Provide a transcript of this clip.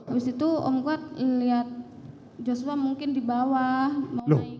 habis itu om kuat lihat joshua mungkin di bawah